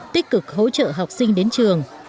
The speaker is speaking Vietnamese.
tích cực hỗ trợ học sinh đến trường